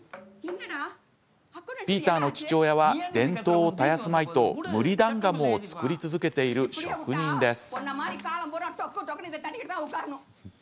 ピーターの父親は伝統を絶やすまいとムリダンガムを作り続けている職人です。